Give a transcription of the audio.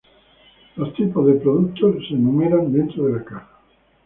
El Moore tipo de productos se enumeran dentro de la caja.